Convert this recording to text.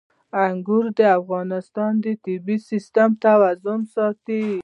انګور د افغانستان د طبعي سیسټم توازن ساتي.